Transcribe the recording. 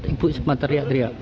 ibu sempat teriak teriak